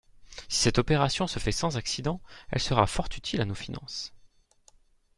Si cette opération se fait sans accident, elle sera fort utile à nos finances.